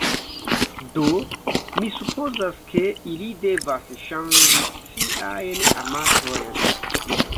Do, mi supozas ke ili devas ŝanĝi siajn amatojn.